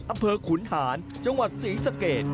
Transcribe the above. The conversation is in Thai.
อำเภอขุนหานจังหวัดศรีสเกต